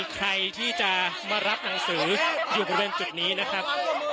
ใครที่จะมารับหนังสืออยู่บริเวณจุดนี้นะครับ